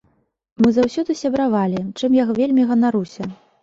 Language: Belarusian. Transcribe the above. Мы заўсёды сябравалі, чым я вельмі ганаруся.